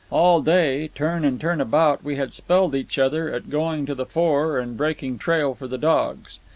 All day, turn and turn about, we had spelled each other at going to the fore and breaking trail for the dogs.